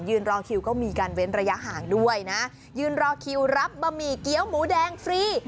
รอคิวก็มีการเว้นระยะห่างด้วยนะยืนรอคิวรับบะหมี่เกี้ยวหมูแดงฟรี